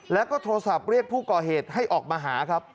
แล้วก็โทรศัพท์เรียกผู้ก่อเหตุให้ออกมาหาครับ